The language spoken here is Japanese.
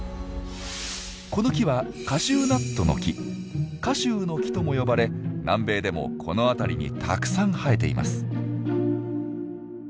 この木はカシューノキとも呼ばれ南米でもこの辺りにたくさん生えています。